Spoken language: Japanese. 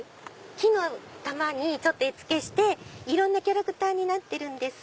木の玉に絵付けしていろんなキャラクターになってるんです。